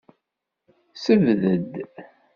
Sebded.